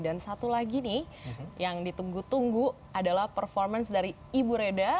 dan satu lagi nih yang ditunggu tunggu adalah performance dari ibu reda